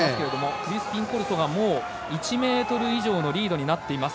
クリスピンコルソが１ｍ以上のリードになっています。